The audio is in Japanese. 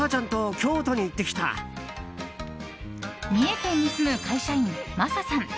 三重県に住む会社員、まささん。